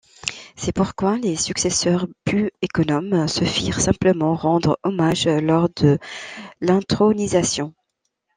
C'est pourquoi, les successeurs plus économes se firent simplement rendre hommage lors de l'intronisation.